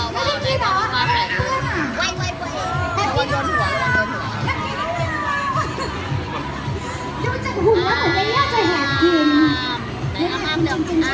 ป้อนหน่อยป้อนหน่อยป้อนหน่อย